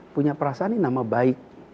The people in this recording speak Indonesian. punya perasaan ini nama baik